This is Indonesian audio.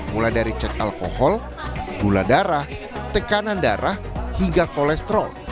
mulai dari cek alkohol gula darah tekanan darah hingga kolesterol